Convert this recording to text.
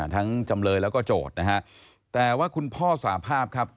ทั้งจำเลยและโจทธแต่ว่าคุณพ่อสภาพครับ